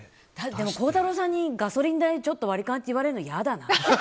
孝太郎さんにガソリン代割り勘って言われるの嫌だな。